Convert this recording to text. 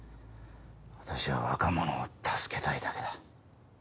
私は若者を助けたいだけだ。